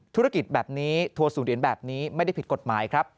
ธุรกิจแบบนี้ทัวร์ศูนแบบนี้ไม่ได้ผิดกฎหมายครับ